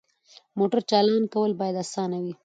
د موټر چالان کول باید اسانه وي.